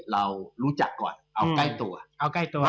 เรารู้จักก่อนเอาใกล้ตัว